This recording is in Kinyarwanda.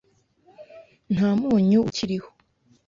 Nta munyu ukiriho.